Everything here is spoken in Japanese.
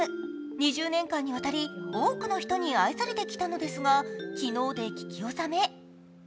２０年間にわたり多くの人に愛されてきたのですが昨日で聞き納め。